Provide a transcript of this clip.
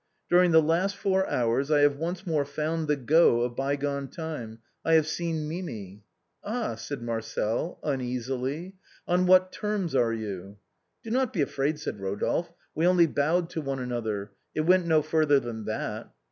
During the last four hours I have once more found the go of bygone time, I have seen Mimi." " Ah !" said Marcel uneasily. " On what terms are you ?"" Do not be afraid," said Eodolphe, " we only bowed to one another. It went no further than that."